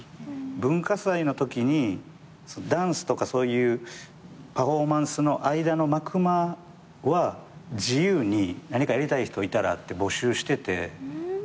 文化祭のときにダンスとかそういうパフォーマンスの間の幕間は自由に何かやりたい人いたらって募集してて。